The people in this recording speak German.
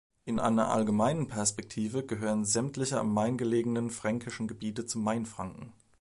In einer allgemeinen Perspektive gehören sämtliche am Main gelegenen fränkischen Gebiete zu Mainfranken.